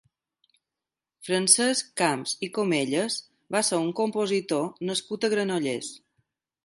Francesc Camps i Comellas va ser un compositor nascut a Granollers.